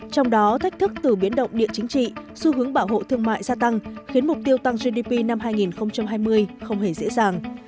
trong đó thách thức từ biến động địa chính trị xu hướng bảo hộ thương mại gia tăng khiến mục tiêu tăng gdp năm hai nghìn hai mươi không hề dễ dàng